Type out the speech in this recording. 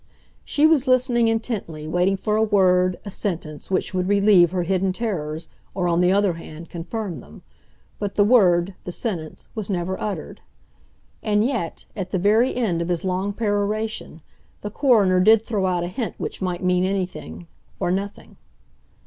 She was listening intently, waiting for a word, a sentence, which would relieve her hidden terrors, or, on the other hand, confirm them. But the word, the sentence, was never uttered. And yet, at the very end of his long peroration, the coroner did throw out a hint which might mean anything—or nothing.